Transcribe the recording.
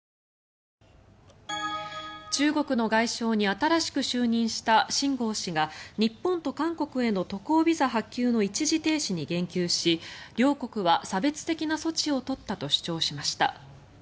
中国の外相に新しく就任した秦剛氏が日本と韓国への渡航ビザ発給の一時停止に言及し両国は差別的な措置を取ったと主張しました。